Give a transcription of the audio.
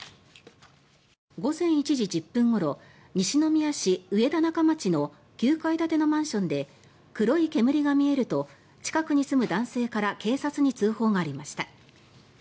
午前１時１０分ごろ西宮市上田中町の９階建てのマンションで黒い煙が見えると近くに住む男性から警察に通報がありました。